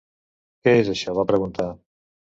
Què és això, va preguntar?